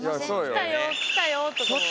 「来たよ来たよ」とかも。